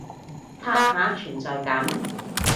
刷下存在感